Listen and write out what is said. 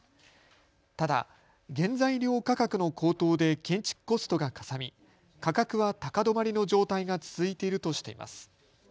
ただ原材料価格の高騰で建築コストがかさみ価格は高止まりの状態が続いているとしています。